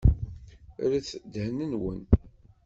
Rret ddhen-nwen!